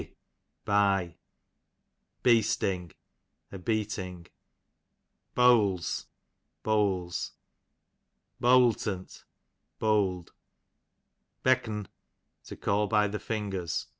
Be, by. Beasting, a beating. Beawls, bowls. Beawlt'nt, bowled. Beck'n, to call by thejingers.